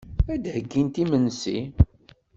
Ad d-heyyint imensi.